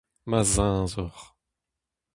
Ma zeñzor !